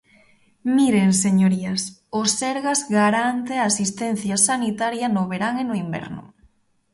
Miren, señorías, o Sergas garante a asistencia sanitaria no verán e no inverno.